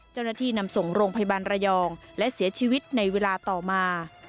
นำส่งโรงพยาบาลระยองและเสียชีวิตในเวลาต่อมา